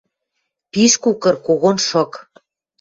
Пиш кукыр, когон шык.